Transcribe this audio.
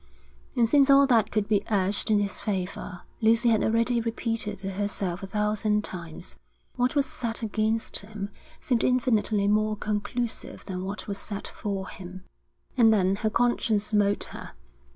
And since all that could be urged in his favour, Lucy had already repeated to herself a thousand times, what was said against him seemed infinitely more conclusive than what was said for him. And then her conscience smote her.